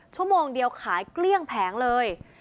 ชั่วโมงเดียวขายเกลี้ยงแผงเลย